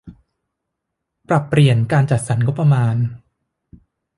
ปรับเปลี่ยนการจัดสรรงบประมาณ